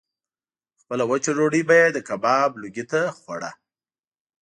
خپله وچه ډوډۍ به یې د کباب لوګي ته خوړه.